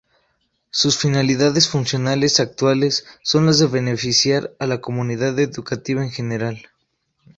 Sus finalidades fundacionales actuales son las de beneficiar a la comunidad educativa en general.